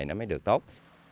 nó mới được tốt